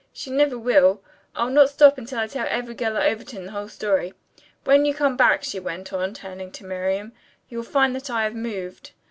She never will. I'll not stop until I tell every girl at Overton the whole story. When you come back," she went on, turning to Miriam, "you'll find that I've moved.